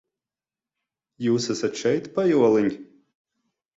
Jūs esat šeit, pajoliņi?